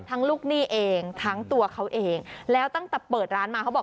ลูกหนี้เองทั้งตัวเขาเองแล้วตั้งแต่เปิดร้านมาเขาบอก